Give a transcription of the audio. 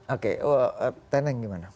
oke teneng gimana